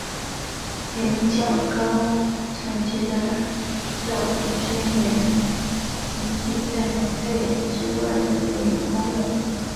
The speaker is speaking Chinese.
没有较高层级的教会宣言抨击在人类之外的演化论。